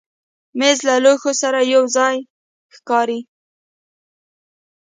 مېز له لوښو سره یو ځای ښکاري.